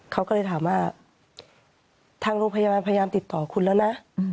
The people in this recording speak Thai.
เขาก็เลยถามว่าทางโรงพยาบาลพยายามติดต่อคุณแล้วนะ